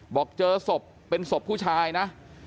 บอกเจอศพเป็นศพผู้ชายนะ